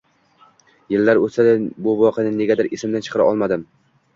Yillar o‘tsa-da bu voqeani negadir esimdan chiqara olmadim.